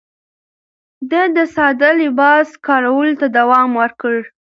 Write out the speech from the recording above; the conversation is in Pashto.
ده د ساده لباس کارولو ته دوام ورکړ.